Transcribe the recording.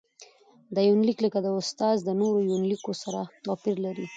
دا يونليک لکه د استاد د نورو يونليکونو سره تواپېر لري.